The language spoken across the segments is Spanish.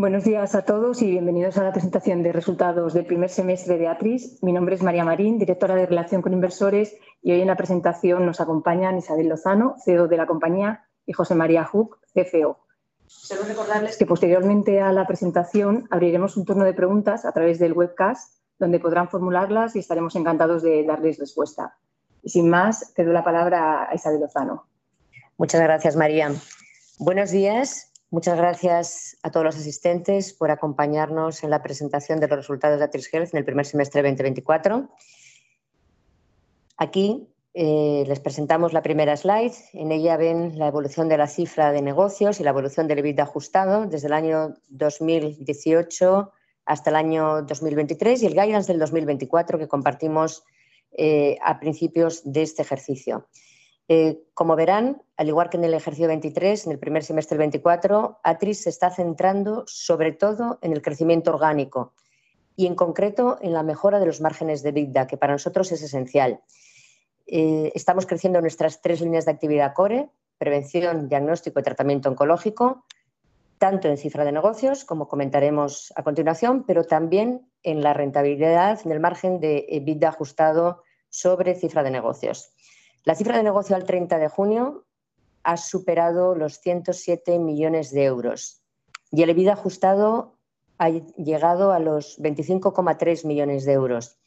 Buenos días a todos y bienvenidos a la presentación de resultados del primer semestre de Atris. Mi nombre es María Marín, Directora de Relación con Inversores, y hoy en la presentación nos acompañan Isabel Lozano, CEO de la compañía, y José María Hook, CFO. Solo recordarles que posteriormente a la presentación abriremos un turno de preguntas a través del webcast, donde podrán formularlas y estaremos encantados de darles respuesta. Sin más, cedo la palabra a Isabel Lozano. Muchas gracias, María. Buenos días, muchas gracias a todos los asistentes por acompañarnos en la presentación de los resultados de Atris Health en el primer semestre de 2024. Aquí les presentamos la primera slide. En ella ven la evolución de la cifra de negocios y la evolución del EBITDA ajustado desde el año 2018 hasta el año 2023 y el guidance del 2024, que compartimos a principios de este ejercicio. Como verán, al igual que en el ejercicio 2023, en el primer semestre del 2024, Atris se está centrando sobre todo en el crecimiento orgánico y, en concreto, en la mejora de los márgenes de EBITDA, que para nosotros es esencial. Estamos creciendo nuestras tres líneas de actividad core: prevención, diagnóstico y tratamiento oncológico, tanto en cifra de negocios, como comentaremos a continuación, pero también en la rentabilidad, en el margen de EBITDA ajustado sobre cifra de negocios. La cifra de negocio al 30 de junio ha superado los €107 millones y el EBITDA ajustado ha llegado a los €25,3 millones.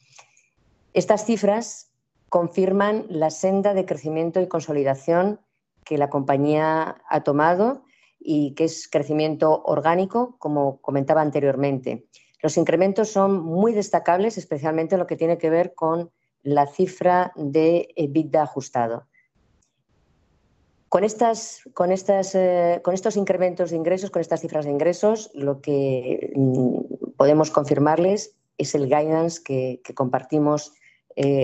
Estas cifras confirman la senda de crecimiento y consolidación que la compañía ha tomado y que es crecimiento orgánico, como comentaba anteriormente. Los incrementos son muy destacables, especialmente en lo que tiene que ver con la cifra de EBITDA ajustado. Con estos incrementos de ingresos, con estas cifras de ingresos, podemos confirmarles el guidance que compartimos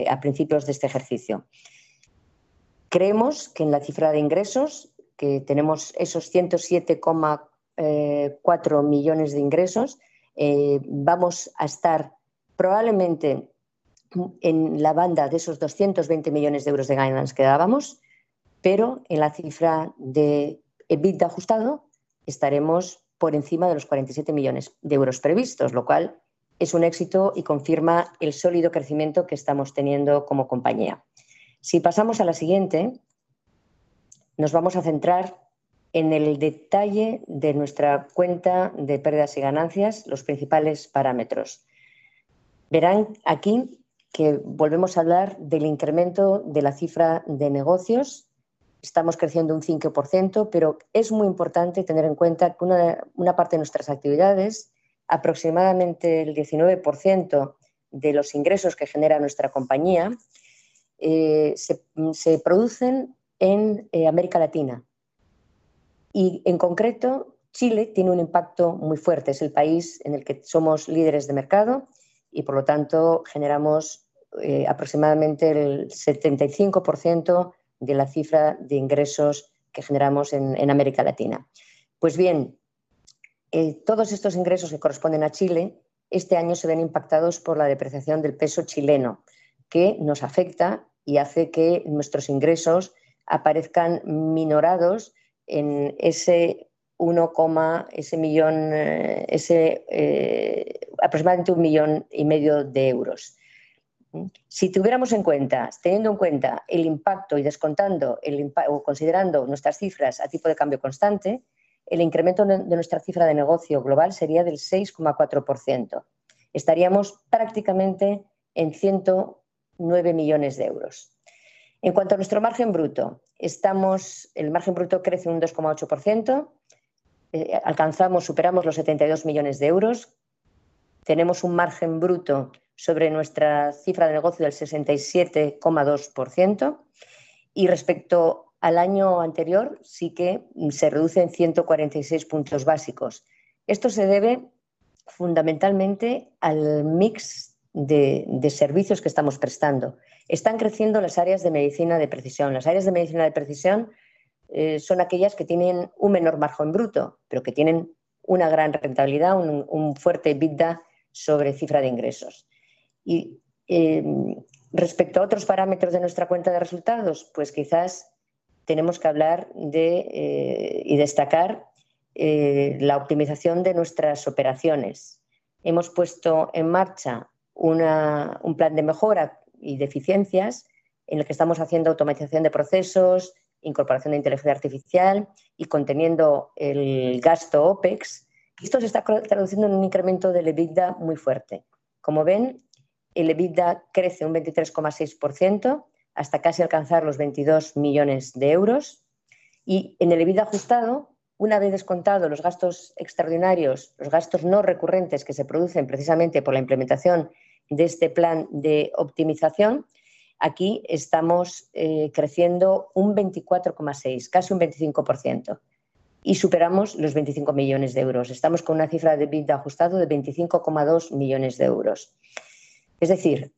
a principios de este ejercicio. Creemos que en la cifra de ingresos, que tenemos esos 107,4 millones de ingresos, vamos a estar probablemente en la banda de esos €220 millones de guidance que dábamos, pero en la cifra de EBITDA ajustado estaremos por encima de los €47 millones previstos, lo cual es un éxito y confirma el sólido crecimiento que estamos teniendo como compañía. Si pasamos a la siguiente, nos vamos a centrar en el detalle de nuestra cuenta de pérdidas y ganancias, los principales parámetros. Verán aquí que volvemos a hablar del incremento de la cifra de negocios. Estamos creciendo un 5%, pero es muy importante tener en cuenta que una parte de nuestras actividades, aproximadamente el 19% de los ingresos que genera nuestra compañía, se producen en América Latina. Y, en concreto, Chile tiene un impacto muy fuerte, es el país en el que somos líderes de mercado y, por lo tanto, generamos aproximadamente el 75% de la cifra de ingresos que generamos en América Latina. Pues bien, todos estos ingresos que corresponden a Chile, este año se ven impactados por la depreciación del peso chileno, que nos afecta y hace que nuestros ingresos aparezcan minorados en aproximadamente €1,5 millones. Si tuviéramos en cuenta, teniendo en cuenta el impacto y descontando el impacto o considerando nuestras cifras a tipo de cambio constante, el incremento de nuestra cifra de negocio global sería del 6,4%. Estaríamos prácticamente en €109 millones. En cuanto a nuestro margen bruto, el margen bruto crece un 2,8%, alcanzamos, superamos los €72 millones. Tenemos un margen bruto sobre nuestra cifra de negocio del 67,2%, y respecto al año anterior, sí que se reduce en ciento cuarenta y seis puntos básicos. Esto se debe fundamentalmente al mix de servicios que estamos prestando. Están creciendo las áreas de medicina de precisión. Las áreas de medicina de precisión son aquellas que tienen un menor margen bruto, pero que tienen una gran rentabilidad, un fuerte EBITDA sobre cifra de ingresos. Y respecto a otros parámetros de nuestra cuenta de resultados, pues quizás tenemos que hablar de y destacar la optimización de nuestras operaciones. Hemos puesto en marcha un plan de mejora y de eficiencias, en el que estamos haciendo automatización de procesos, incorporación de inteligencia artificial y conteniendo el gasto OPEX, y esto se está traduciendo en un incremento del EBITDA muy fuerte. Como ven, el EBITDA crece un 23,6%, hasta casi alcanzar los €22 millones, y en el EBITDA ajustado, una vez descontados los gastos extraordinarios, los gastos no recurrentes que se producen precisamente por la implementación de este plan de optimización, aquí estamos creciendo un 24,6%, casi un 25%, y superamos los €25 millones. Estamos con una cifra de EBITDA ajustado de €25,2 millones. Es decir,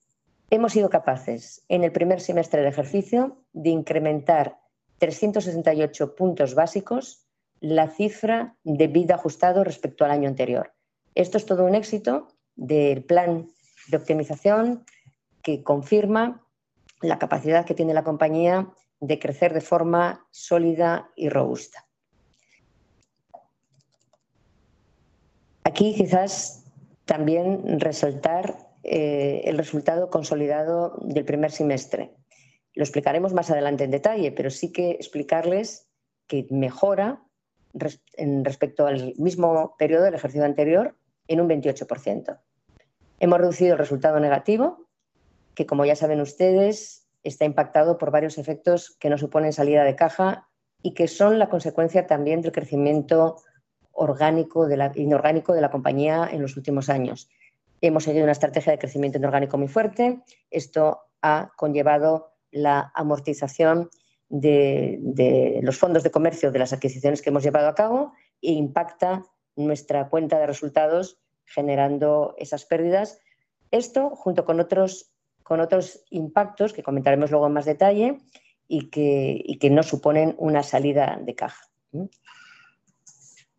hemos sido capaces, en el primer semestre del ejercicio, de incrementar 368 puntos básicos la cifra de EBITDA ajustado respecto al año anterior. Esto es todo un éxito del plan de optimización, que confirma la capacidad que tiene la compañía de crecer de forma sólida y robusta. Aquí, quizás, también resaltar el resultado consolidado del primer semestre. Lo explicaremos más adelante en detalle, pero sí que explicarles que mejora respecto al mismo periodo del ejercicio anterior, en un 28%. Hemos reducido el resultado negativo, que, como ya saben ustedes, está impactado por varios efectos que no suponen salida de caja y que son la consecuencia también del crecimiento inorgánico de la compañía en los últimos años. Hemos seguido una estrategia de crecimiento inorgánico muy fuerte. Esto ha conllevado la amortización de los fondos de comercio, de las adquisiciones que hemos llevado a cabo, e impacta nuestra cuenta de resultados, generando esas pérdidas. Esto, junto con otros impactos, que comentaremos luego en más detalle, y que no suponen una salida de caja.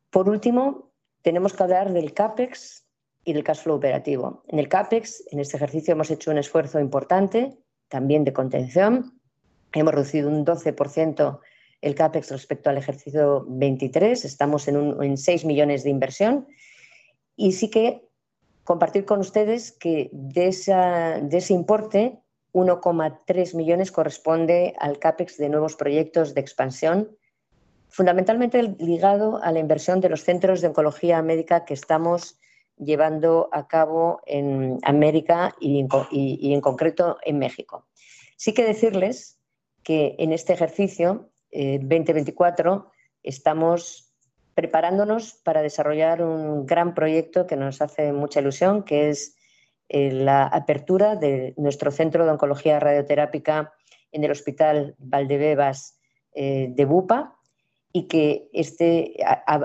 Por último, tenemos que hablar del CapEx y del cash flow operativo. En el CapEx, en este ejercicio hemos hecho un esfuerzo importante, también de contención. Hemos reducido un 12% el CapEx respecto al ejercicio 2023. Estamos en seis millones de inversión. Sí que compartir con ustedes que de ese importe, €1.3 millones corresponde al CapEx de nuevos proyectos de expansión, fundamentalmente ligado a la inversión de los centros de oncología médica que estamos llevando a cabo en América y en concreto, en México. Sí que decirles que en este ejercicio 2024, estamos preparándonos para desarrollar un gran proyecto que nos hace mucha ilusión, que es la apertura de nuestro centro de oncología radioterápica en el Hospital Valdebebas de Bupa, y que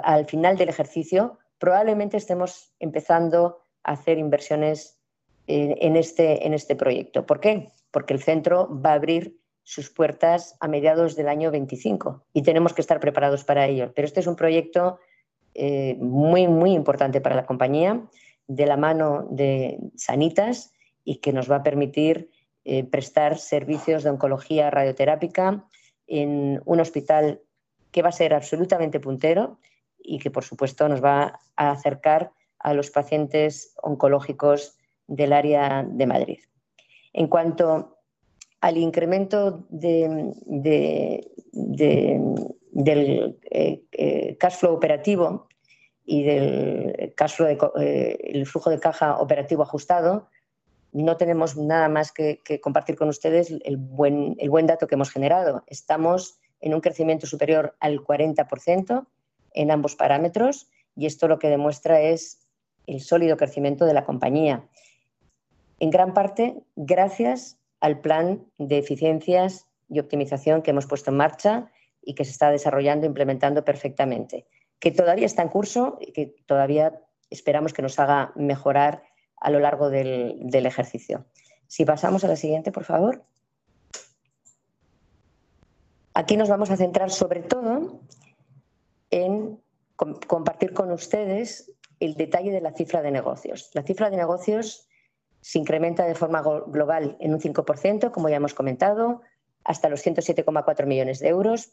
al final del ejercicio, probablemente estemos empezando a hacer inversiones en este proyecto. ¿Por qué? Porque el centro va a abrir sus puertas a mediados del año 2025 y tenemos que estar preparados para ello. Pero este es un proyecto muy importante para la compañía, de la mano de Sanitas, y que nos va a permitir prestar servicios de oncología radioterápica en un hospital que va a ser absolutamente puntero y que, por supuesto, nos va a acercar a los pacientes oncológicos del área de Madrid. En cuanto al incremento del cash flow operativo y del flujo de caja operativo ajustado, no tenemos nada más que compartir con ustedes el buen dato que hemos generado. Estamos en un crecimiento superior al 40% en ambos parámetros, y esto lo que demuestra es el sólido crecimiento de la compañía, en gran parte gracias al plan de eficiencias y optimización que hemos puesto en marcha y que se está desarrollando e implementando perfectamente, que todavía está en curso y que todavía esperamos que nos haga mejorar a lo largo del ejercicio. Si pasamos a la siguiente, por favor. Aquí nos vamos a centrar, sobre todo, en compartir con ustedes el detalle de la cifra de negocios. La cifra de negocios se incrementa de forma global en un 5%, como ya hemos comentado, hasta los €107,4 millones,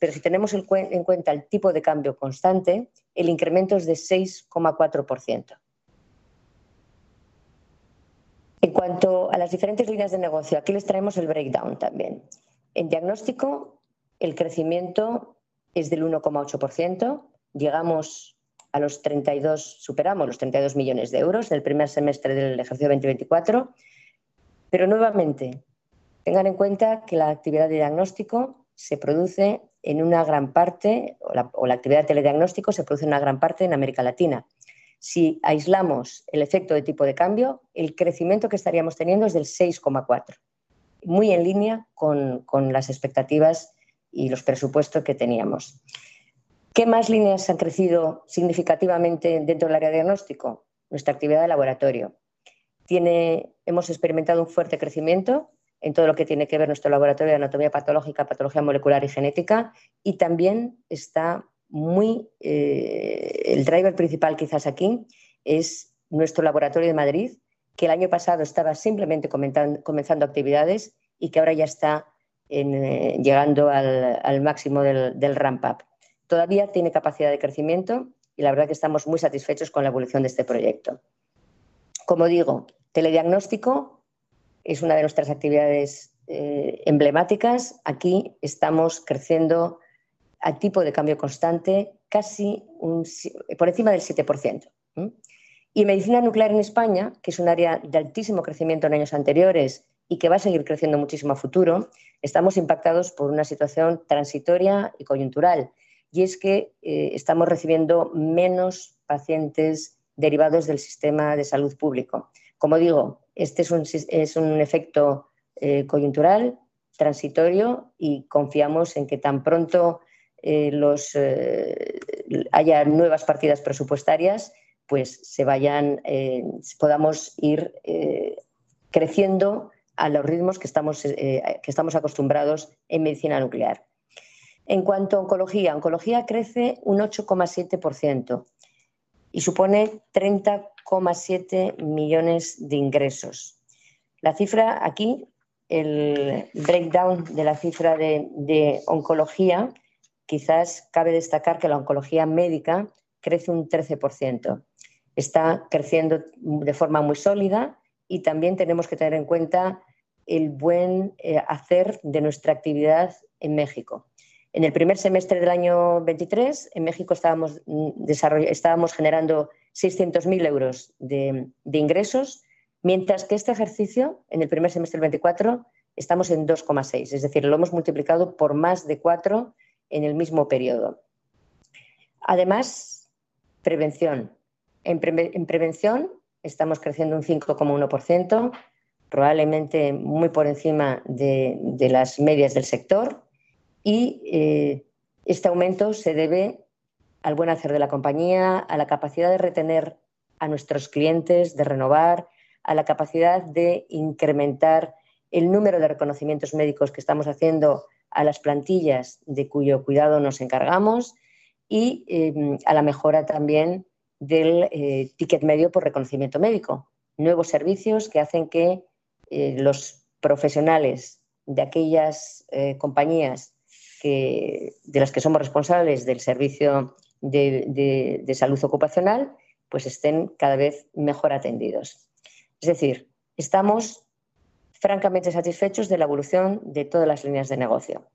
pero si tenemos en cuenta el tipo de cambio constante, el incremento es de 6,4%. En cuanto a las diferentes líneas de negocio, aquí les traemos el breakdown también. En diagnóstico, el crecimiento es del 1,8%. Llegamos a los 32, superamos los €32 millones del primer semestre del ejercicio 2024. Pero nuevamente, tengan en cuenta que la actividad de diagnóstico se produce en una gran parte, o la actividad de telediagnóstico, se produce en una gran parte en América Latina. Si aislamos el efecto de tipo de cambio, el crecimiento que estaríamos teniendo es del 6,4%, muy en línea con las expectativas y los presupuestos que teníamos. ¿Qué más líneas han crecido significativamente dentro del área de diagnóstico? Nuestra actividad de laboratorio. Hemos experimentado un fuerte crecimiento en todo lo que tiene que ver nuestro laboratorio de anatomía patológica, patología molecular y genética, y también está muy... El driver principal, quizás aquí, es nuestro laboratorio de Madrid, que el año pasado estaba simplemente comenzando actividades y que ahora ya está llegando al máximo del ramp-up. Todavía tiene capacidad de crecimiento y la verdad que estamos muy satisfechos con la evolución de este proyecto. Como digo, telediagnóstico es una de nuestras actividades emblemáticas. Aquí estamos creciendo a tipo de cambio constante, casi por encima del 7%. Medicina nuclear en España, que es un área de altísimo crecimiento en años anteriores y que va a seguir creciendo muchísimo a futuro, estamos impactados por una situación transitoria y coyuntural, y es que estamos recibiendo menos pacientes derivados del sistema de salud público. Como digo, este es un efecto coyuntural, transitorio, y confiamos en que tan pronto haya nuevas partidas presupuestarias, pues podamos ir creciendo a los ritmos que estamos acostumbrados en medicina nuclear. En cuanto a oncología, oncología crece un 8,7% y supone €30,7 millones de ingresos. La cifra, aquí, el breakdown de la cifra de oncología, quizás cabe destacar que la oncología médica crece un 13%. Está creciendo de forma muy sólida y también tenemos que tener en cuenta el buen hacer de nuestra actividad en México. En el primer semestre del año 2023, en México estábamos generando €600.000 de ingresos, mientras que este ejercicio, en el primer semestre del 2024, estamos en €2,6 millones. Es decir, lo hemos multiplicado por más de cuatro en el mismo periodo. Además, prevención. En prevención, estamos creciendo un 5,1%, probablemente muy por encima de las medias del sector, y este aumento se debe al buen hacer de la compañía, a la capacidad de retener a nuestros clientes, de renovar, a la capacidad de incrementar el número de reconocimientos médicos que estamos haciendo a las plantillas de cuyo cuidado nos encargamos y a la mejora también del ticket medio por reconocimiento médico. Nuevos servicios que hacen que los profesionales de aquellas compañías de las que somos responsables del servicio de salud ocupacional, pues estén cada vez mejor atendidos. Es decir, estamos francamente satisfechos de la evolución de todas las líneas de negocio.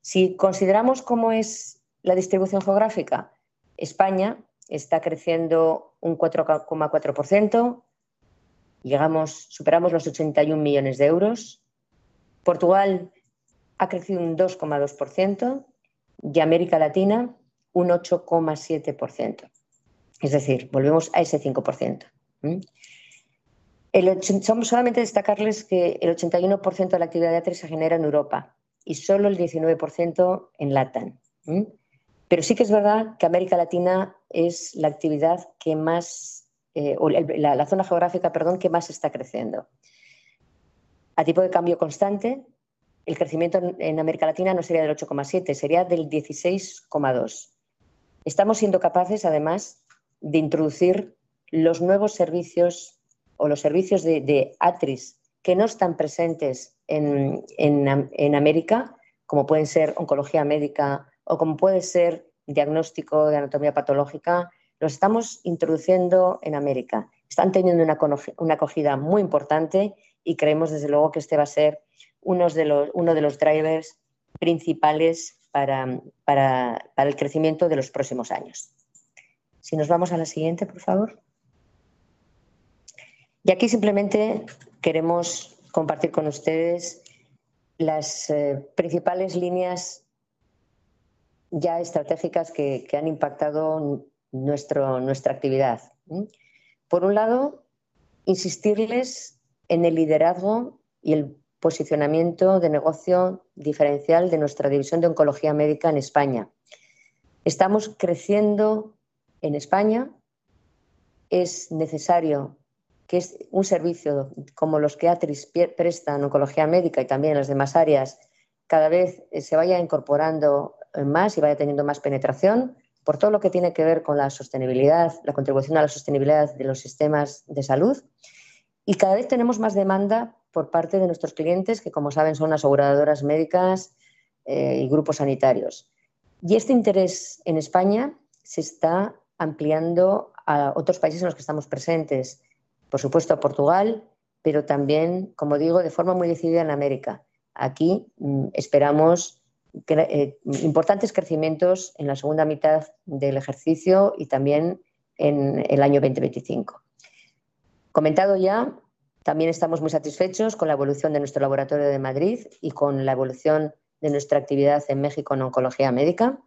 Si consideramos cómo es la distribución geográfica, España está creciendo un 4,4%, llegamos, superamos los ochenta y un millones de euros. Portugal ha crecido un 2,2% y América Latina un 8,7%. Es decir, volvemos a ese 5%. Solamente destacarles que el 81% de la actividad de ATRIS se genera en Europa y solo el 19% en LATAM. Pero sí que es verdad que América Latina es la actividad que más, o la zona geográfica, perdón, que más está creciendo. A tipo de cambio constante, el crecimiento en América Latina no sería del 8,7%, sería del 16,2%. Estamos siendo capaces, además, de introducir los nuevos servicios o los servicios de ATRIS, que no están presentes en América, como pueden ser oncología médica o como puede ser diagnóstico de anatomía patológica, los estamos introduciendo en América. Están teniendo una acogida muy importante y creemos, desde luego, que este va a ser uno de los drivers principales para el crecimiento de los próximos años. Si nos vamos a la siguiente, por favor. Aquí simplemente queremos compartir con ustedes las principales líneas ya estratégicas que han impactado nuestra actividad. Por un lado, insistirles en el liderazgo y el posicionamiento de negocio diferencial de nuestra división de oncología médica en España. Estamos creciendo en España. Es necesario que un servicio, como los que ATRIS presta en oncología médica y también en las demás áreas, cada vez se vaya incorporando más y vaya teniendo más penetración, por todo lo que tiene que ver con la sostenibilidad, la contribución a la sostenibilidad de los sistemas de salud. Y cada vez tenemos más demanda por parte de nuestros clientes, que, como saben, son las aseguradoras médicas y grupos sanitarios. Y este interés en España se está ampliando a otros países en los que estamos presentes, por supuesto, a Portugal, pero también, como digo, de forma muy decidida, en América. Aquí esperamos importantes crecimientos en la segunda mitad del ejercicio y también en el año 2025. Comentado ya, también estamos muy satisfechos con la evolución de nuestro laboratorio de Madrid y con la evolución de nuestra actividad en México, en oncología médica,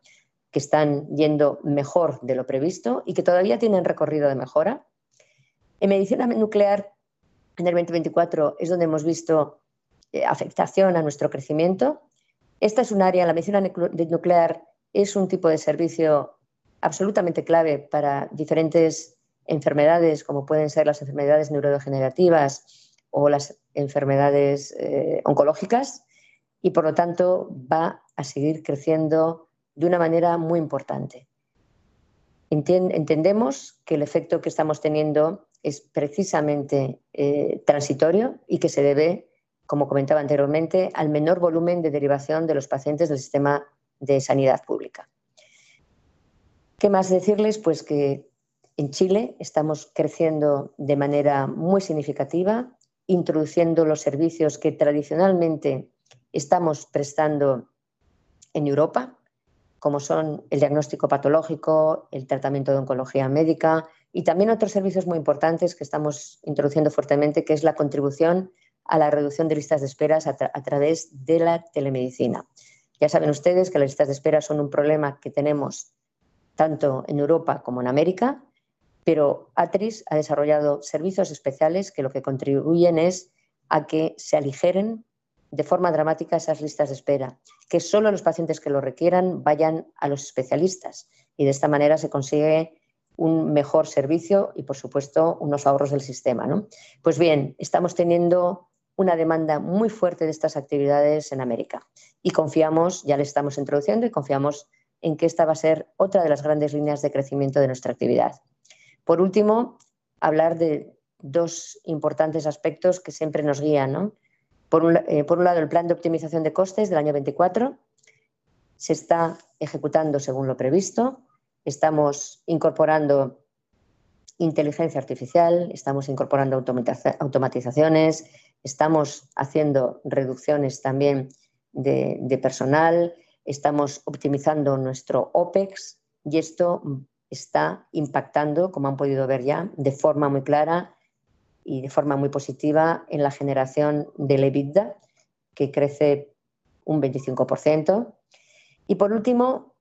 que están yendo mejor de lo previsto y que todavía tienen recorrido de mejora. En medicina nuclear, en el 2024, es donde hemos visto afectación a nuestro crecimiento. Esta es un área, la medicina nuclear, es un tipo de servicio absolutamente clave para diferentes enfermedades, como pueden ser las enfermedades neurodegenerativas o las enfermedades oncológicas, y, por lo tanto, va a seguir creciendo de una manera muy importante. Entendemos que el efecto que estamos teniendo es precisamente transitorio y que se debe, como comentaba anteriormente, al menor volumen de derivación de los pacientes del sistema de sanidad pública. ¿Qué más decirles? Pues que en Chile estamos creciendo de manera muy significativa, introduciendo los servicios que tradicionalmente estamos prestando en Europa, como son el diagnóstico patológico, el tratamiento de oncología médica y también otros servicios muy importantes que estamos introduciendo fuertemente, que es la contribución a la reducción de listas de esperas a través de la telemedicina. Ya saben ustedes que las listas de espera son un problema que tenemos tanto en Europa como en América, pero ATRIS ha desarrollado servicios especiales que lo que contribuyen es a que se aligeren de forma dramática esas listas de espera, que solo los pacientes que lo requieran vayan a los especialistas, y de esta manera se consigue un mejor servicio y, por supuesto, unos ahorros del sistema, ¿no? Pues bien, estamos teniendo una demanda muy fuerte de estas actividades en América y confiamos, ya le estamos introduciendo, y confiamos en que esta va a ser otra de las grandes líneas de crecimiento de nuestra actividad. Por último, hablar de dos importantes aspectos que siempre nos guían, ¿no? Por un lado, el plan de optimización de costes del año 2024 se está ejecutando según lo previsto. Estamos incorporando inteligencia artificial, estamos incorporando automatizaciones, estamos haciendo reducciones también de personal, estamos optimizando nuestro OPEX, y esto está impactando, como han podido ver ya, de forma muy clara y de forma muy positiva en la generación del EBITDA, que crece un 25%. Y, por último,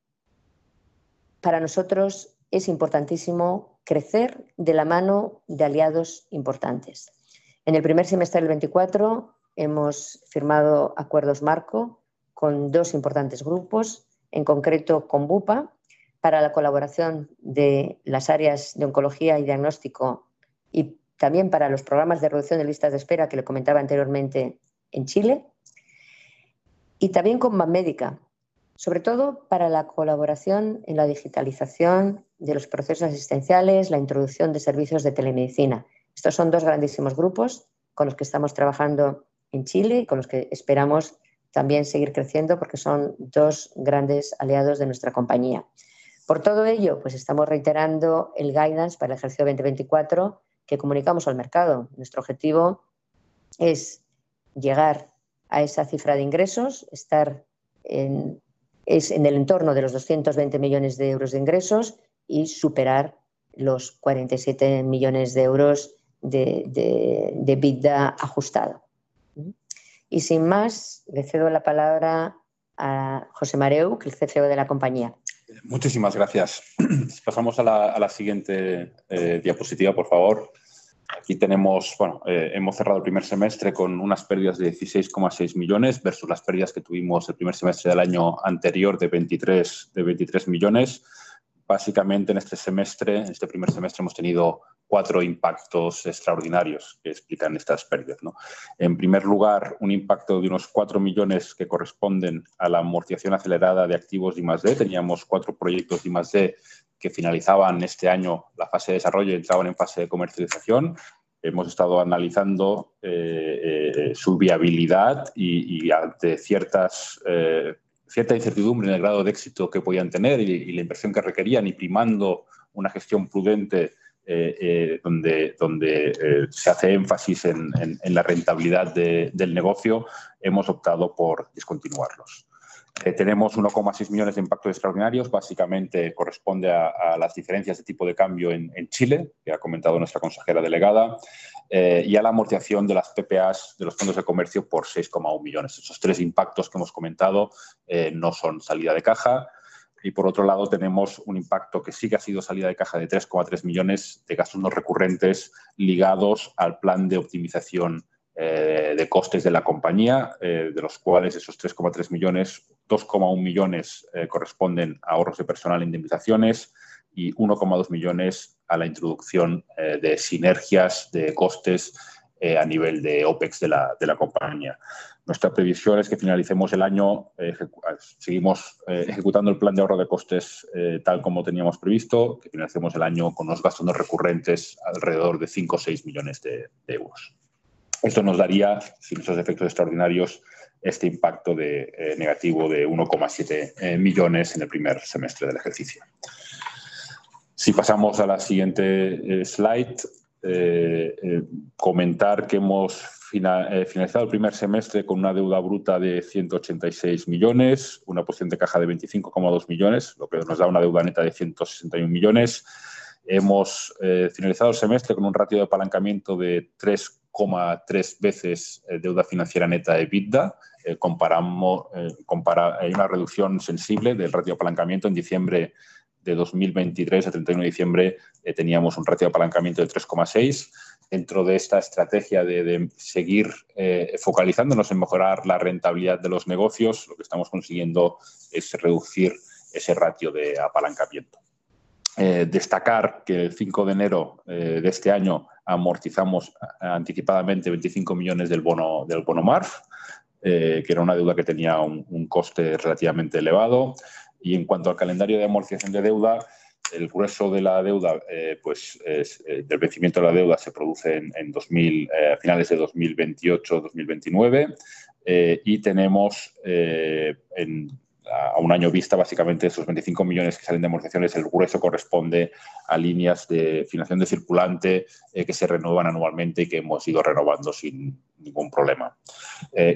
para nosotros es importantísimo crecer de la mano de aliados importantes. En el primer semestre del 2024 hemos firmado acuerdos marco con dos importantes grupos, en concreto con Bupa, para la colaboración de las áreas de oncología y diagnóstico, y también para los programas de reducción de listas de espera, que le comentaba anteriormente, en Chile. Y también con Banmédica, sobre todo para la colaboración en la digitalización de los procesos asistenciales, la introducción de servicios de telemedicina. Estos son dos grandísimos grupos con los que estamos trabajando en Chile y con los que esperamos también seguir creciendo, porque son dos grandes aliados de nuestra compañía. Por todo ello, estamos reiterando el guidance para el ejercicio 2024 que comunicamos al mercado. Nuestro objetivo es llegar a esa cifra de ingresos, estar en el entorno de los €220 millones de ingresos y superar los €47 millones de EBITDA ajustada. ¿Mmm? Y sin más, le cedo la palabra a José Mareu, que es el CFO de la compañía. Muchísimas gracias. Si pasamos a la siguiente diapositiva, por favor. Aquí tenemos, bueno, hemos cerrado el primer semestre con unas pérdidas de €16,6 millones versus las pérdidas que tuvimos el primer semestre del año anterior, de €23 millones. Básicamente, en este primer semestre, hemos tenido cuatro impactos extraordinarios que explican estas pérdidas. En primer lugar, un impacto de unos €4 millones, que corresponden a la amortización acelerada de activos de I+D. Teníamos cuatro proyectos de I+D que finalizaban este año la fase de desarrollo y entraban en fase de comercialización. Hemos estado analizando su viabilidad y ante ciertas, cierta incertidumbre en el grado de éxito que podían tener y la inversión que requerían, y primando una gestión prudente, donde se hace énfasis en la rentabilidad del negocio, hemos optado por discontinuarlos. Tenemos €1,6 millones de impacto extraordinarios. Básicamente, corresponde a las diferencias de tipo de cambio en Chile, que ha comentado nuestra consejera delegada, y a la amortización de las PPAs, de los puntos de comercio, por €6,1 millones. Esos tres impactos que hemos comentado no son salida de caja y, por otro lado, tenemos un impacto que sí que ha sido salida de caja de €3,3 millones de gastos no recurrentes ligados al plan de optimización de costes de la compañía, de los cuales esos €3,3 millones, €2,1 millones corresponden a ahorros de personal, indemnizaciones, y €1,2 millones a la introducción de sinergias de costes a nivel de Opex de la compañía. Nuestra previsión es que finalicemos el año ejecutando el plan de ahorro de costes tal como teníamos previsto, que finalicemos el año con unos gastos no recurrentes alrededor de cinco o seis millones de euros. Esto nos daría, sin esos efectos extraordinarios, este impacto negativo de 1,7 millones en el primer semestre del ejercicio. Si pasamos a la siguiente slide, comentar que hemos finalizado el primer semestre con una deuda bruta de €186 millones, una posición de caja de €25,2 millones, lo que nos da una deuda neta de €161 millones. Hemos finalizado el semestre con un ratio de apalancamiento de 3,3 veces deuda financiera neta de EBITDA. Comparamos, hay una reducción sensible del ratio de apalancamiento en diciembre de 2023. A 31 de diciembre teníamos un ratio de apalancamiento de 3,6. Dentro de esta estrategia de seguir focalizándonos en mejorar la rentabilidad de los negocios, lo que estamos consiguiendo es reducir ese ratio de apalancamiento. Destacar que el 5 de enero de este año amortizamos anticipadamente €25 millones del bono, del bono Marf, que era una deuda que tenía un coste relativamente elevado. Y en cuanto al calendario de amortización de deuda, el grueso de la deuda, pues el vencimiento de la deuda se produce a finales de 2028, 2029. Y tenemos a un año vista, básicamente, esos €25 millones que salen de amortizaciones, el grueso corresponde a líneas de financiación de circulante que se renuevan anualmente y que hemos ido renovando sin ningún problema.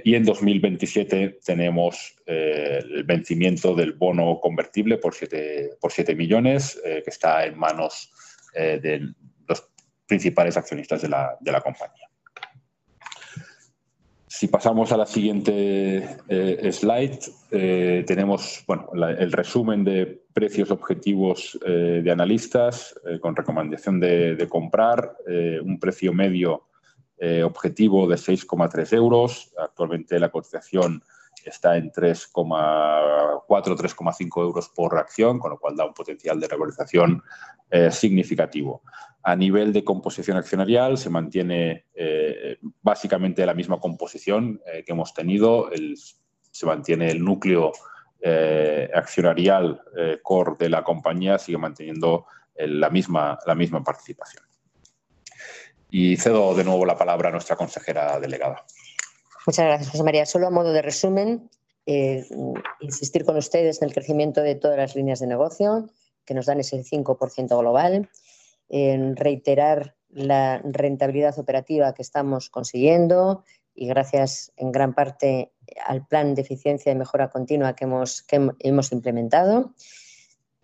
Y en 2027 tenemos el vencimiento del bono convertible por €7 millones que está en manos de los principales accionistas de la compañía. Si pasamos a la siguiente slide, tenemos el resumen de precios objetivos de analistas con recomendación de comprar, un precio medio objetivo de €6,3. Actualmente, la cotización está en €3,4, €3,5 por acción, con lo cual da un potencial de revalorización significativo. A nivel de composición accionarial, se mantiene básicamente la misma composición que hemos tenido. Se mantiene el núcleo accionarial core de la compañía, sigue manteniendo la misma participación. Y cedo de nuevo la palabra a nuestra Consejera Delegada. Muchas gracias, José María. Solo a modo de resumen, insistir con ustedes en el crecimiento de todas las líneas de negocio, que nos dan ese 5% global, en reiterar la rentabilidad operativa que estamos consiguiendo y gracias, en gran parte, al plan de eficiencia y mejora continua que hemos implementado.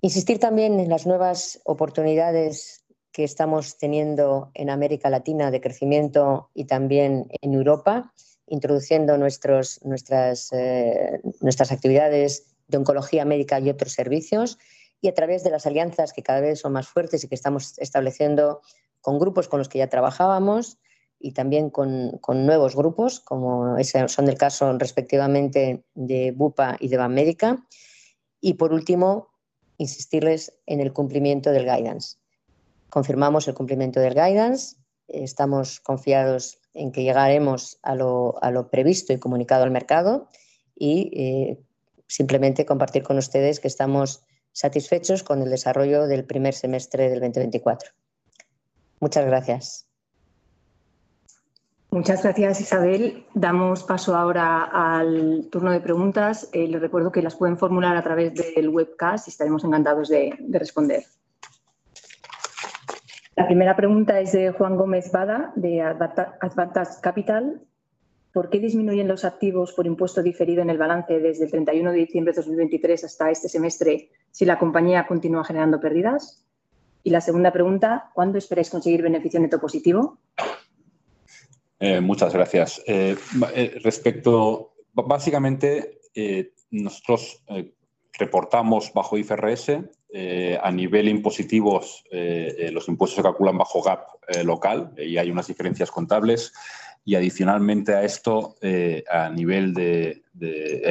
Insistir también en las nuevas oportunidades que estamos teniendo en América Latina de crecimiento y también en Europa, introduciendo nuestras actividades de oncología médica y otros servicios, y a través de las alianzas, que cada vez son más fuertes y que estamos estableciendo con grupos con los que ya trabajábamos y también con nuevos grupos, como son el caso, respectivamente, de Bupa y de Wamedica. Y, por último, insistirles en el cumplimiento del guidance. Confirmamos el cumplimiento del guidance. Estamos confiados en que llegaremos a lo previsto y comunicado al mercado, y simplemente compartir con ustedes que estamos satisfechos con el desarrollo del primer semestre del 2024. Muchas gracias. Muchas gracias, Isabel. Damos paso ahora al turno de preguntas. Les recuerdo que las pueden formular a través del webcast y estaremos encantados de responder. La primera pregunta es de Juan Gómez Bada, de Advantage Capital: ¿por qué disminuyen los activos por impuesto diferido en el balance desde el 31 de diciembre de 2023 hasta este semestre, si la compañía continúa generando pérdidas? Y la segunda pregunta: ¿cuándo esperáis conseguir beneficio neto positivo? Muchas gracias. Respecto... Básicamente, nosotros reportamos bajo IFRS. A nivel impositivo, los impuestos se calculan bajo GAAP local, y hay unas diferencias contables. Y adicionalmente a esto, a nivel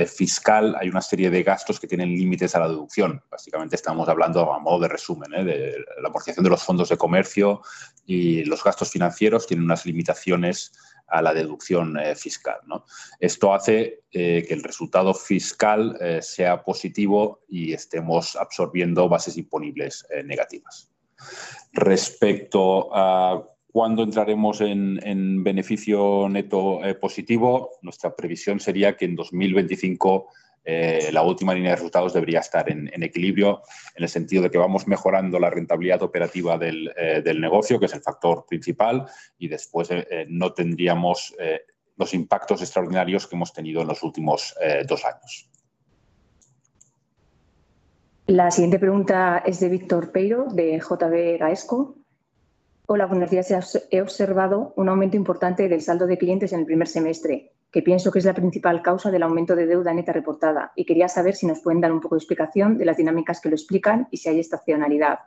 fiscal, hay una serie de gastos que tienen límites a la deducción. Básicamente, estamos hablando, a modo de resumen, de la amortización de los fondos de comercio y los gastos financieros tienen unas limitaciones a la deducción fiscal. Esto hace que el resultado fiscal sea positivo y estemos absorbiendo bases imponibles negativas. Respecto a cuándo entraremos en beneficio neto positivo, nuestra previsión sería que en 2025 la última línea de resultados debería estar en equilibrio, en el sentido de que vamos mejorando la rentabilidad operativa del negocio, que es el factor principal, y después no tendríamos los impactos extraordinarios que hemos tenido en los últimos dos años. La siguiente pregunta es de Víctor Peiro, de JB Gaesco: Hola, buenos días. He observado un aumento importante del saldo de clientes en el primer semestre, que pienso que es la principal causa del aumento de deuda neta reportada, y quería saber si nos pueden dar un poco de explicación de las dinámicas que lo explican y si hay estacionalidad.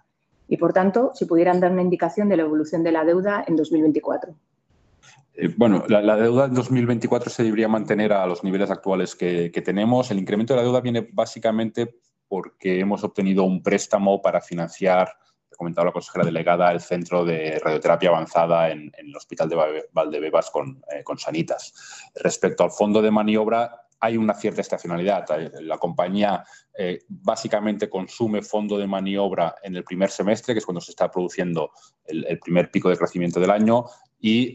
Y, por tanto, si pudieran dar una indicación de la evolución de la deuda en 2024. Bueno, la deuda en 2024 se debería mantener a los niveles actuales que tenemos. El incremento de la deuda viene básicamente porque hemos obtenido un préstamo para financiar, lo comentaba la consejera delegada, el Centro de Radioterapia Avanzada en el Hospital de Valdebebas con Sanitas. Respecto al fondo de maniobra, hay una cierta estacionalidad. La compañía básicamente consume fondo de maniobra en el primer semestre, que es cuando se está produciendo el primer pico de crecimiento del año y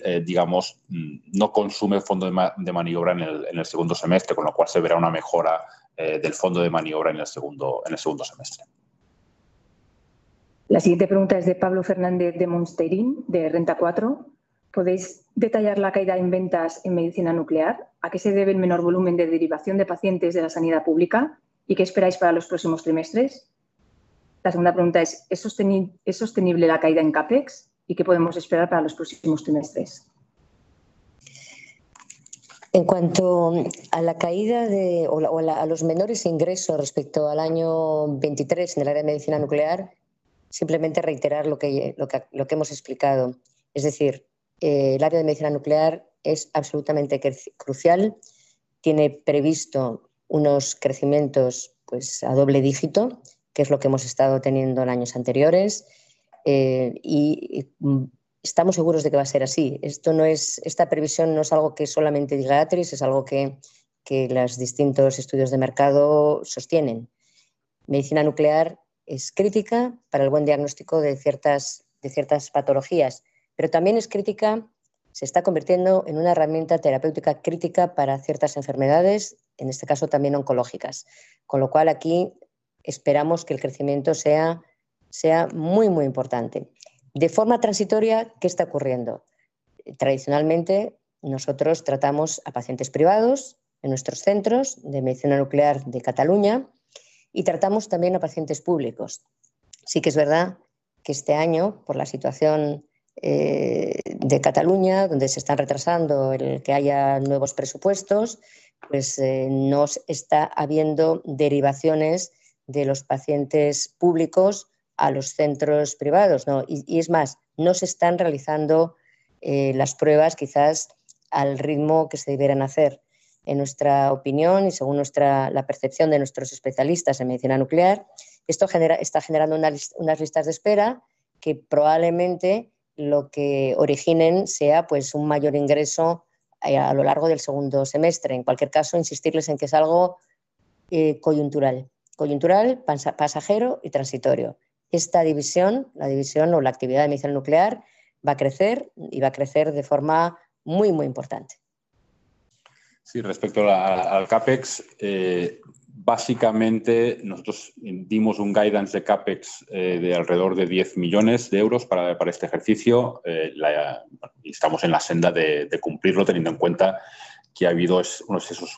no consume el fondo de maniobra en el segundo semestre, con lo cual se verá una mejora del fondo de maniobra en el segundo semestre. La siguiente pregunta es de Pablo Fernández de Monsterin, de Renta 4: ¿Podéis detallar la caída en ventas en medicina nuclear? ¿A qué se debe el menor volumen de derivación de pacientes de la sanidad pública? ¿Y qué esperáis para los próximos trimestres? La segunda pregunta es: ¿es sostenible la caída en CapEx? ¿Y qué podemos esperar para los próximos trimestres? En cuanto a la caída de, o los menores ingresos respecto al año 2023 en el área de medicina nuclear, simplemente reiterar lo que hemos explicado. Es decir, el área de medicina nuclear es absolutamente crucial, tiene previsto unos crecimientos a doble dígito, que es lo que hemos estado teniendo en años anteriores, y estamos seguros de que va a ser así. Esta previsión no es algo que solamente diga Atris, es algo que los distintos estudios de mercado sostienen. Medicina nuclear es crítica para el buen diagnóstico de ciertas patologías, pero también es crítica, se está convirtiendo en una herramienta terapéutica crítica para ciertas enfermedades, en este caso, también oncológicas. Con lo cual, aquí esperamos que el crecimiento sea muy importante. De forma transitoria, ¿qué está ocurriendo? Tradicionalmente, nosotros tratamos a pacientes privados en nuestros centros de medicina nuclear de Cataluña y tratamos también a pacientes públicos. Sí que es verdad que este año, por la situación de Cataluña, donde se está retrasando el que haya nuevos presupuestos, pues no está habiendo derivaciones de los pacientes públicos a los centros privados, ¿no? Y es más, no se están realizando las pruebas quizás al ritmo que se deberían hacer. En nuestra opinión y según nuestra, la percepción de nuestros especialistas en medicina nuclear, esto genera, está generando unas listas de espera, que probablemente lo que originen sea, pues un mayor ingreso a lo largo del segundo semestre. En cualquier caso, insistirles en que es algo coyuntural, pasajero y transitorio. Esta división, la división o la actividad de medicina nuclear, va a crecer y va a crecer de forma muy, muy importante. Sí, respecto al CapEx, básicamente, nosotros dimos un guidance de CapEx de alrededor de €10 millones para este ejercicio. Y estamos en la senda de cumplirlo, teniendo en cuenta que ha habido unos excesos,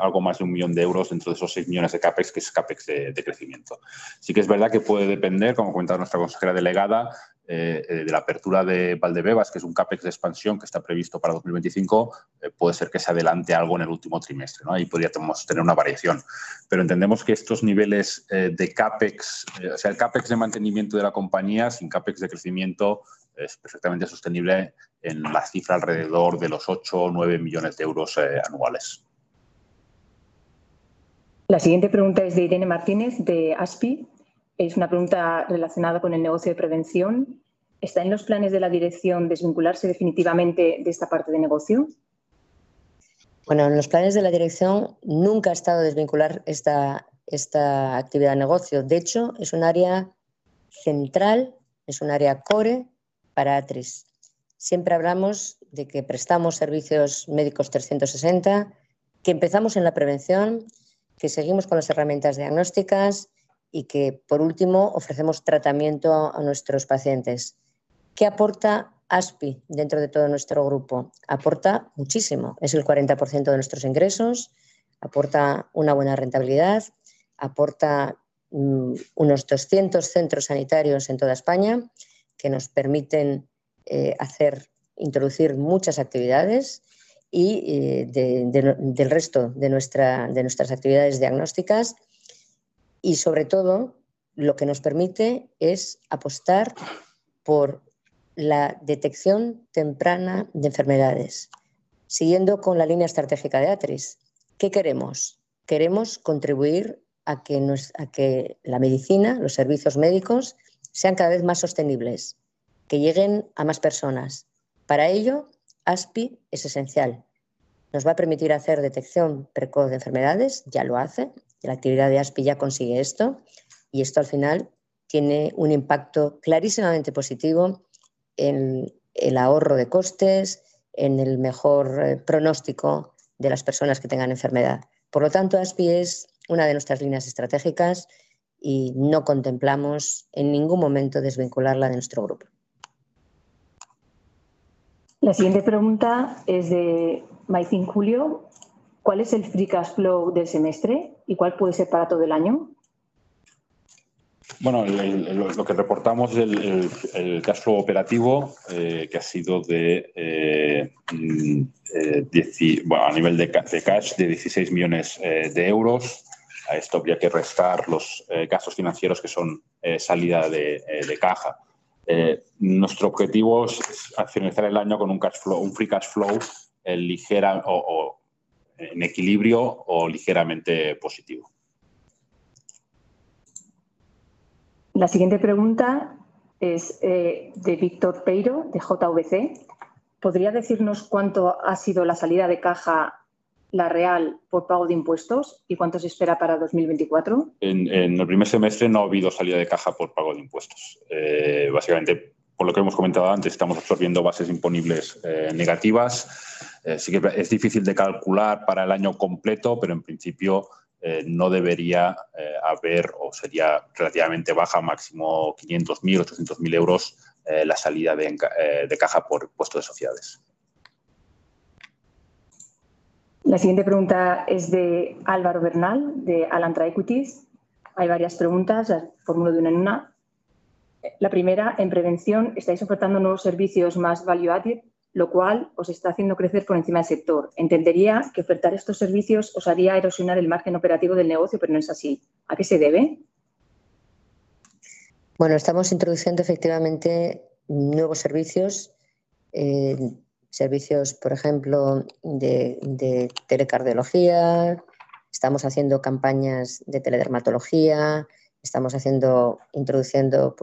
algo más de €1 millón dentro de esos €6 millones de CapEx, que es CapEx de crecimiento. Sí que es verdad que puede depender, como comentaba nuestra Consejera Delegada, de la apertura de Valdebebas, que es un CapEx de expansión que está previsto para 2025. Puede ser que se adelante algo en el último trimestre. Ahí podríamos tener una variación. Pero entendemos que estos niveles de CapEx, o sea, el CapEx de mantenimiento de la compañía, sin CapEx de crecimiento, es perfectamente sostenible en la cifra alrededor de los €8 o €9 millones anuales. La siguiente pregunta es de Irene Martínez, de ASPI. Es una pregunta relacionada con el negocio de prevención: ¿Está en los planes de la dirección desvincularse definitivamente de esta parte de negocio? Bueno, en los planes de la dirección nunca ha estado desvincular esta actividad de negocio. De hecho, es un área central, es un área core para ATRIS. Siempre hablamos de que prestamos servicios médicos 360, que empezamos en la prevención, que seguimos con las herramientas diagnósticas y que, por último, ofrecemos tratamiento a nuestros pacientes. ¿Qué aporta ASPI dentro de todo nuestro grupo? Aporta muchísimo, es el 40% de nuestros ingresos, aporta una buena rentabilidad, aporta unos doscientos centros sanitarios en toda España, que nos permiten hacer, introducir muchas actividades del resto de nuestras actividades diagnósticas. Y sobre todo, lo que nos permite es apostar por la detección temprana de enfermedades, siguiendo con la línea estratégica de ATRIS. ¿Qué queremos? Queremos contribuir a que nuestra, a que la medicina, los servicios médicos, sean cada vez más sostenibles, que lleguen a más personas. Para ello, ASPI es esencial. Nos va a permitir hacer detección precoz de enfermedades, ya lo hace, la actividad de ASPI ya consigue esto, y esto al final tiene un impacto clarísimamente positivo en el ahorro de costes, en el mejor pronóstico de las personas que tengan enfermedad. Por lo tanto, ASPI es una de nuestras líneas estratégicas y no contemplamos en ningún momento desvincularla de nuestro grupo. La siguiente pregunta es de Maicol Julio: ¿Cuál es el free cash flow del semestre y cuál puede ser para todo el año? Bueno, lo que reportamos, el cash flow operativo, que ha sido de dieciséis millones de euros. A esto habría que restar los gastos financieros, que son salida de caja. Nuestro objetivo es finalizar el año con un cash flow, un free cash flow, en equilibrio o ligeramente positivo. La siguiente pregunta es de Víctor Peiro, de JVC: ¿Podría decirnos cuánto ha sido la salida de caja, la real, por pago de impuestos y cuánto se espera para 2024? En el primer semestre no ha habido salida de caja por pago de impuestos. Básicamente, por lo que hemos comentado antes, estamos absorbiendo bases imponibles negativas. Sí, que es difícil de calcular para el año completo, pero en principio no debería haber, o sería relativamente baja, máximo €500,000, €800,000, la salida de caja por impuesto de sociedades. La siguiente pregunta es de Álvaro Bernal, de Alantra Equities. Hay varias preguntas, las formulo de una en una. La primera: en prevención, estáis ofertando nuevos servicios más value added, lo cual os está haciendo crecer por encima del sector. Entendería que ofertar estos servicios os haría erosionar el margen operativo del negocio, pero no es así. ¿A qué se debe? Bueno, estamos introduciendo, efectivamente, nuevos servicios. Servicios, por ejemplo, de telecardiología. Estamos haciendo campañas de teledermatología, estamos introduciendo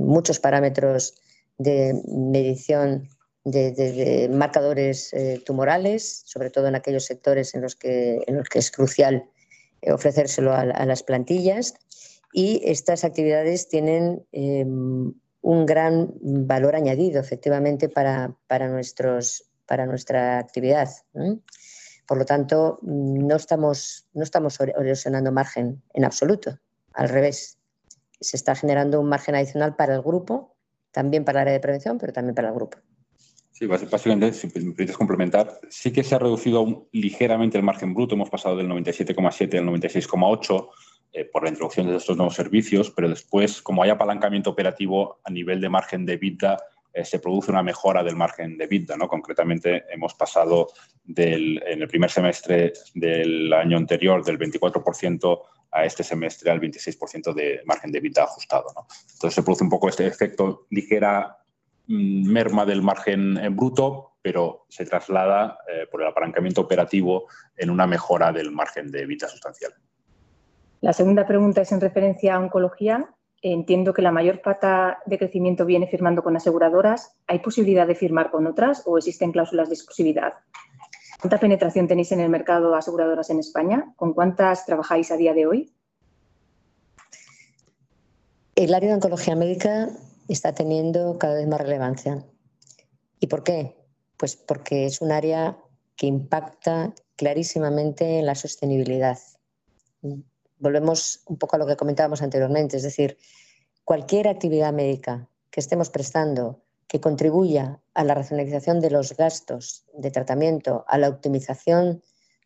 muchos parámetros de medición de marcadores tumorales, sobre todo en aquellos sectores en los que es crucial ofrecérselo a las plantillas. Y estas actividades tienen un gran valor añadido, efectivamente, para nuestra actividad. Por lo tanto, no estamos erosionando margen en absoluto. Al revés, se está generando un margen adicional para el grupo, también para el área de prevención, pero también para el grupo. Sí, básicamente, si me permites complementar, sí que se ha reducido ligeramente el margen bruto. Hemos pasado del 97,7% al 96,8% por la introducción de estos nuevos servicios, pero después, como hay apalancamiento operativo a nivel de margen de EBITDA, se produce una mejora del margen de EBITDA, ¿no? Concretamente, hemos pasado del... en el primer semestre del año anterior, del 24%, a este semestre, al 26% de margen de EBITDA ajustado, ¿no? Entonces, se produce un poco este efecto ligera merma del margen en bruto, pero se traslada, por el apalancamiento operativo en una mejora del margen de EBITDA sustancial. La segunda pregunta es en referencia a oncología. Entiendo que la mayor parte de crecimiento viene firmando con aseguradoras. ¿Hay posibilidad de firmar con otras o existen cláusulas de exclusividad? ¿Cuánta penetración tenéis en el mercado de aseguradoras en España? ¿Con cuántas trabajáis a día de hoy? El área de oncología médica está teniendo cada vez más relevancia. ¿Y por qué? Pues porque es un área que impacta clarísimamente en la sostenibilidad. Volvemos un poco a lo que comentábamos anteriormente. Es decir, cualquier actividad médica que estemos prestando, que contribuya a la racionalización de los gastos de tratamiento, a la optimización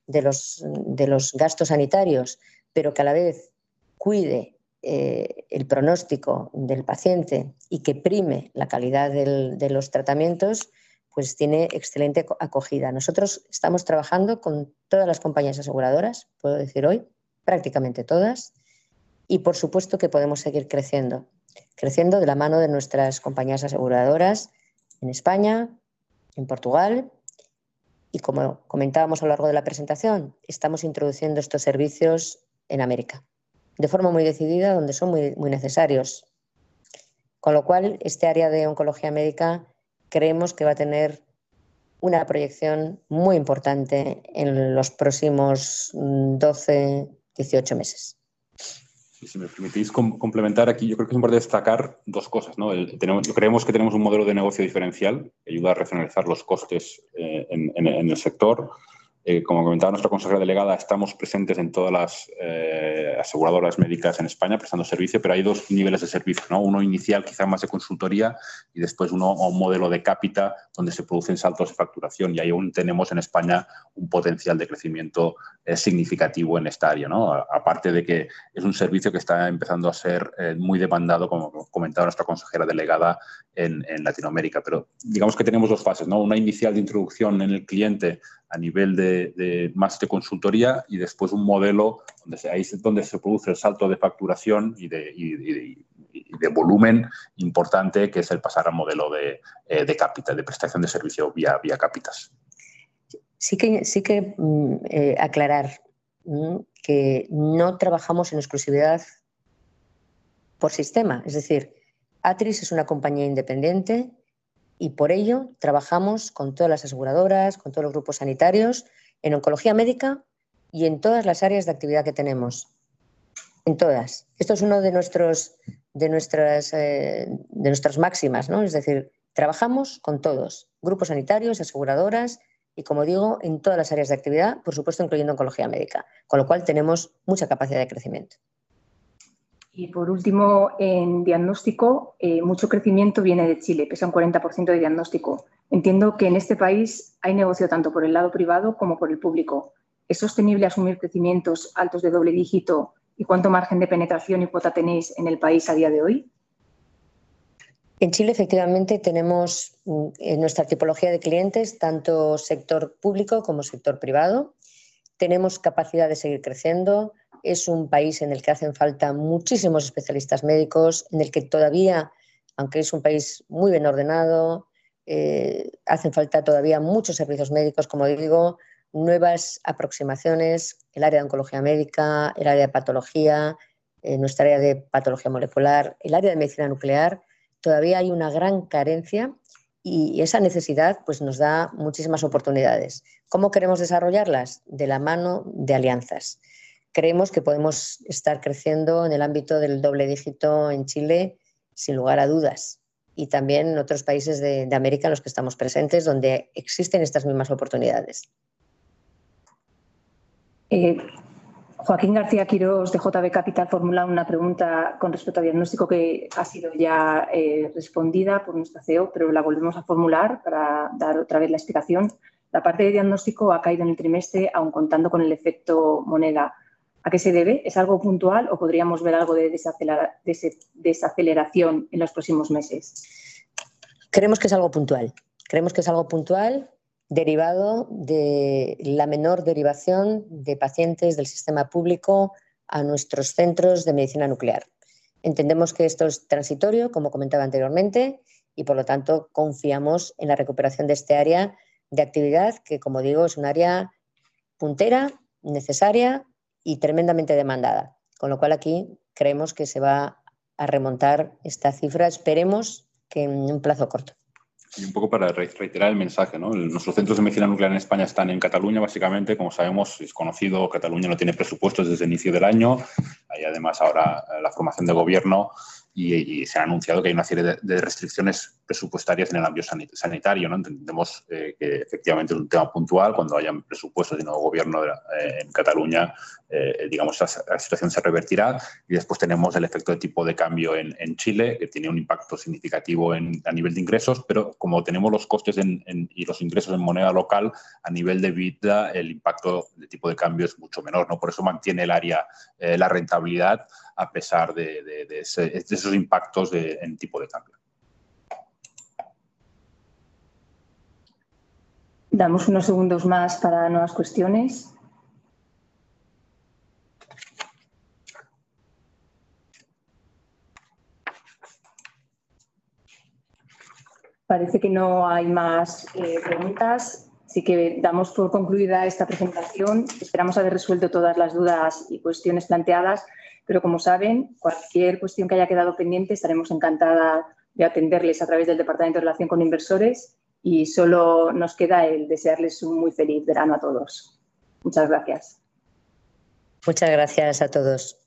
de los gastos sanitarios, pero que a la vez cuide el pronóstico del paciente y que prime la calidad de los tratamientos, pues tiene excelente acogida. Nosotros estamos trabajando con todas las compañías aseguradoras, puedo decir hoy, prácticamente todas. Y por supuesto, que podemos seguir creciendo, creciendo de la mano de nuestras compañías aseguradoras en España, en Portugal y, como comentábamos a lo largo de la presentación, estamos introduciendo estos servicios en América de forma muy decidida, donde son muy, muy necesarios. Con lo cual, esta área de oncología médica creemos que va a tener una proyección muy importante en los próximos doce, dieciocho meses. Si me permitís complementar aquí, yo creo que es importante destacar dos cosas, ¿no? Tenemos, creemos que tenemos un modelo de negocio diferencial que ayuda a racionalizar los costes en el sector. Como comentaba nuestra consejera delegada, estamos presentes en todas las aseguradoras médicas en España prestando servicio, pero hay dos niveles de servicio, ¿no? Uno inicial, quizá más de consultoría, y después uno o un modelo de cápita donde se producen saltos de facturación. Y ahí aún tenemos en España un potencial de crecimiento significativo en esta área, ¿no? Aparte de que es un servicio que está empezando a ser muy demandado, como comentaba nuestra consejera delegada en Latinoamérica. Pero digamos que tenemos dos fases, ¿no? Una inicial de introducción en el cliente a nivel de consultoría y después un modelo, donde ahí es donde se produce el salto de facturación y de volumen importante, que es el pasar a modelo de cápita, de prestación de servicio vía cápitas. Sí que, sí que, aclarar que no trabajamos en exclusividad por sistema. Es decir, Attris es una compañía independiente y por ello trabajamos con todas las aseguradoras, con todos los grupos sanitarios, en oncología médica y en todas las áreas de actividad que tenemos, en todas. Esto es uno de nuestros, de nuestras máximas, ¿no? Es decir, trabajamos con todos: grupos sanitarios, aseguradoras y, como digo, en todas las áreas de actividad, por supuesto, incluyendo oncología médica, con lo cual tenemos mucha capacidad de crecimiento. Y por último, en diagnóstico: mucho crecimiento viene de Chile, pesa un 40% de diagnóstico. Entiendo que en este país hay negocio tanto por el lado privado como por el público. ¿Es sostenible asumir crecimientos altos de doble dígito? ¿Y cuánto margen de penetración y cuota tenéis en el país a día de hoy? En Chile, efectivamente, tenemos en nuestra tipología de clientes, tanto sector público como sector privado. Tenemos capacidad de seguir creciendo. Es un país en el que hacen falta muchísimos especialistas médicos, en el que todavía, aunque es un país muy bien ordenado, hacen falta todavía muchos servicios médicos, como digo, nuevas aproximaciones, el área de oncología médica, el área de patología, nuestra área de patología molecular, el área de medicina nuclear. Todavía hay una gran carencia y esa necesidad, pues nos da muchísimas oportunidades. ¿Cómo queremos desarrollarlas? De la mano de alianzas. Creemos que podemos estar creciendo en el ámbito del doble dígito en Chile, sin lugar a dudas, y también en otros países de América en los que estamos presentes, donde existen estas mismas oportunidades. Joaquín García Quirós, de JB Capital, formula una pregunta con respecto a diagnóstico, que ha sido ya respondida por nuestra CEO, pero la volvemos a formular para dar otra vez la explicación. La parte de diagnóstico ha caído en el trimestre, aun contando con el efecto moneda. ¿A qué se debe? ¿Es algo puntual o podríamos ver algo de desaceleración en los próximos meses? Creemos que es algo puntual. Creemos que es algo puntual, derivado de la menor derivación de pacientes del sistema público a nuestros centros de medicina nuclear. Entendemos que esto es transitorio, como comentaba anteriormente, y por lo tanto, confiamos en la recuperación de esta área de actividad, que como digo, es un área puntera, necesaria y tremendamente demandada. Con lo cual aquí creemos que se va a remontar esta cifra, esperemos que en un plazo corto. Y un poco para reiterar el mensaje, ¿no? Nuestros centros de medicina nuclear en España están en Cataluña. Básicamente, como sabemos, es conocido, Cataluña no tiene presupuestos desde inicio del año. Hay además ahora la formación de gobierno y se ha anunciado que hay una serie de restricciones presupuestarias en el ámbito sanitario, ¿no? Entendemos que efectivamente es un tema puntual. Cuando haya un presupuesto de nuevo gobierno en Cataluña, digamos, la situación se revertirá. Y después tenemos el efecto de tipo de cambio en Chile, que tiene un impacto significativo a nivel de ingresos, pero como tenemos los costes y los ingresos en moneda local, a nivel de EBITDA, el impacto de tipo de cambio es mucho menor, ¿no? Por eso mantiene el área, la rentabilidad, a pesar de esos impactos en tipo de cambio. Damos unos segundos más para nuevas cuestiones. Parece que no hay más preguntas, así que damos por concluida esta presentación. Esperamos haber resuelto todas las dudas y cuestiones planteadas, pero como saben, cualquier cuestión que haya quedado pendiente, estaremos encantados de atenderles a través del departamento de relación con inversores, y solo nos queda desearles un muy feliz verano a todos. Muchas gracias. Muchas gracias a todos.